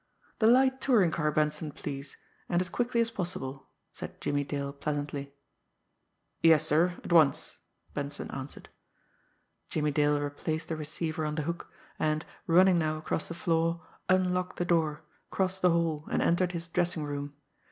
"The light touring car, Benson, please, and as quickly as possible," said Jimmie Dale pleasantly. "Yes, sir at once," Benson answered. Jimmie Dale replaced the receiver on the hook, and, running now across the floor, unlocked the door, crossed the hall, and entered his dressing room.